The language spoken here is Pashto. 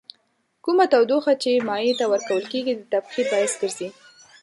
کومه تودوخه چې مایع ته ورکول کیږي د تبخیر باعث ګرځي.